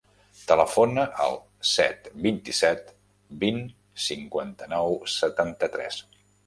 Telefona al set, vint-i-set, vint, cinquanta-nou, setanta-tres.